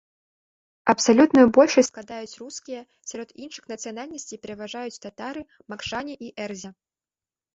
Абсалютную большасць складаюць рускія, сярод іншых нацыянальнасцей пераважаюць татары, макшане і эрзя.